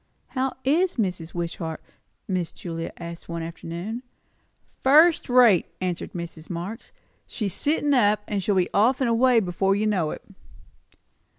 "How is Mrs. Wishart?" Miss Julia asked one afternoon. "First rate," answered Mrs. Marx. "She's sittin' up. She'll be off and away before you know it."